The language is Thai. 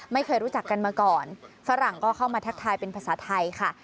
ไม่เคยรู้จักกันมาก่อนฝรั่งก็เข้ามาทักทายเป็นภาษาไทยค่ะ